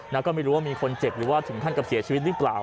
แล้วก็ไม่รู้ว่ามีคนเจ็บหรือว่าถึงขั้นกับเสียชีวิตหรือเปล่า